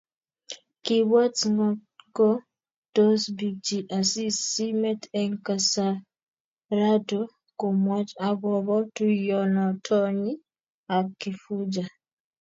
Kiibwat ngotko tos birchi Asisi simet eng kasarato komwoch agobo tuiyonotonyi ak Kifuja